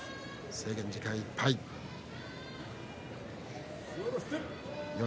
制限時間いっぱいです。